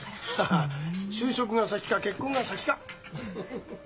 ハハッ就職が先か結婚が先か。